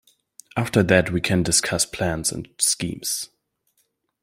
After that we can discuss plans and schemes.